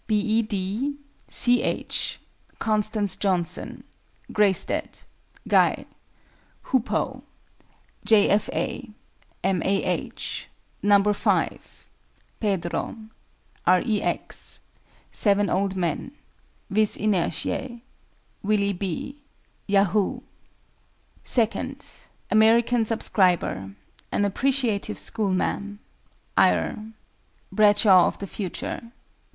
B. E. D. C. H. CONSTANCE JOHNSON. GREYSTEAD. GUY. HOOPOE. J. F. A. M. A. H. NUMBER FIVE. PEDRO. R. E. X. SEVEN OLD MEN. VIS INERTIÆ. WILLY B. YAHOO. II. AMERICAN SUBSCRIBER. AN APPRECIATIVE SCHOOLMA'AM. AYR. BRADSHAW OF THE FUTURE.